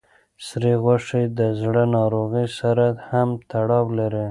سرې غوښې د زړه ناروغۍ سره هم تړاو لري.